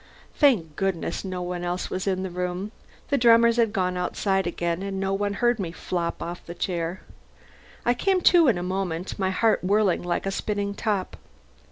Thank goodness, no one else was in the room. The drummers had gone outside again, and no one heard me flop off the chair. I came to in a moment, my heart whirling like a spinning top.